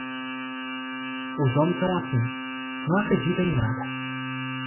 Os homens são assim; não acreditam em nada.